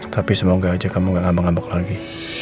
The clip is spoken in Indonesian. tapi semoga aja kamu nggak ngambek ngambek lagi